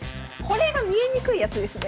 これが見えにくいやつですね。